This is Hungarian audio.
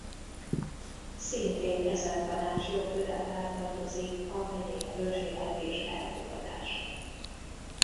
Szintén ezen tanács jogköre alá tartozik a megyei költségvetés elfogadása.